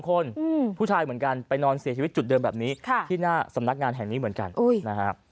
คนผู้ชายเหมือนกันไปนอนเสียชีวิตจุดเดิมแบบนี้ที่หน้าสำนักงานแห่งนี้เหมือนกันนะฮะ